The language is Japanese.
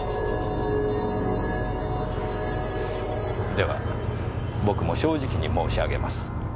では僕も正直に申し上げます。